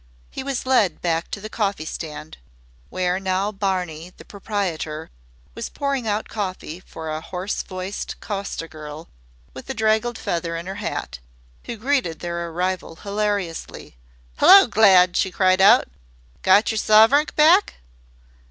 He was led back to the coffee stand, where now Barney, the proprietor, was pouring out coffee for a hoarse voiced coster girl with a draggled feather in her hat, who greeted their arrival hilariously. "Hello, Glad!" she cried out. "Got yer suvrink back?"